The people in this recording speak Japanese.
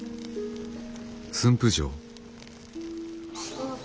どうぞ。